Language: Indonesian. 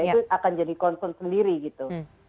itu akan jadi concern sendiri gitu